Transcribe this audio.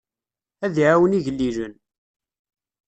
Ad iɛawen igellilen.